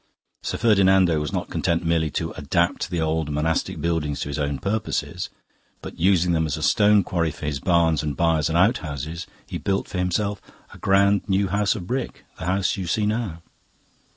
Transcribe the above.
Sir Ferdinando was not content merely to adapt the old monastic buildings to his own purposes; but using them as a stone quarry for his barns and byres and outhouses, he built for himself a grand new house of brick the house you see now."